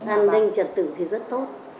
an ninh trật tự thì rất tốt